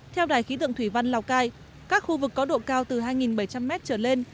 theo đài khí tượng thủy văn lào cai các khu vực có độ cao từ hai bảy trăm linh m trở lên